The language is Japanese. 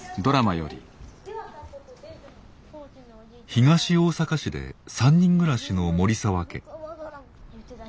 東大阪市で３人暮らしの森澤家。